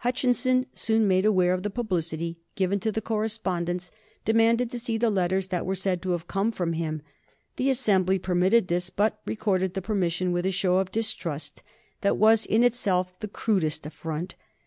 Hutchinson, soon made aware of the publicity given to the correspondence, demanded to see the letters that were said to come from him. The Assembly permitted this, but accorded the permission with a show of distrust that was in itself the crudest affront.